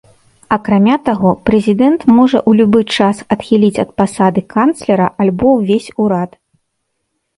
Акрамя таго, прэзідэнт можа ў любы час адхіліць ад пасады канцлера альбо ўвесь урад.